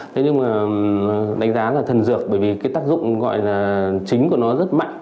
thế nhưng mà đánh giá là thần dược bởi vì cái tác dụng gọi là chính của nó rất mạnh